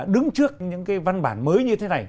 đứng trước những cái văn bản mới như thế này